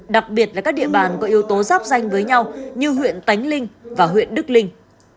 đặc biệt là các địa bàn có yếu tố giáp danh với nhau như huyện tánh linh và huyện đức linh